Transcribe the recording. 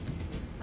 何？